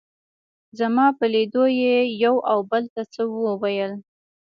زما په لیدو یې یو او بل ته څه وویل.